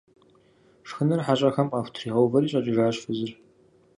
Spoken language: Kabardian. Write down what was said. Шхыныр хьэщӀэхэм къахутригъэувэри щӏэкӏыжащ фызыр.